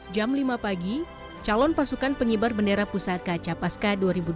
jam lima pagi calon pasukan pengibar bendera pusat kaca pasca dua ribu dua puluh